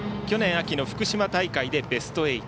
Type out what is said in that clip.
去年秋の福島大会でベスト８。